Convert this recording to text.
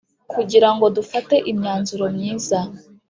Kugira ngo dufate imyanzuro myiza